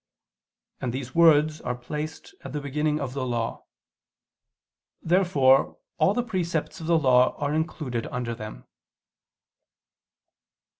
And these words are placed at the beginning of the Law. Therefore all the precepts of the Law are included under them.